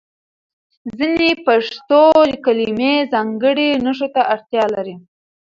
ځینې پښتو کلمې ځانګړي نښو ته اړتیا لري.